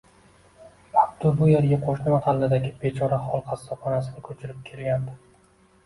Abdu bu erga qo`shni mahalladagi bechorahol qassobxonasi ko`chirib kelgandi